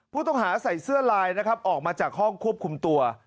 ใส่เสื้อลายนะครับออกมาจากห้องควบคุมตัว